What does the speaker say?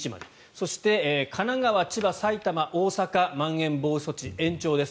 そして神奈川、千葉、埼玉、大阪まん延防止措置延長です。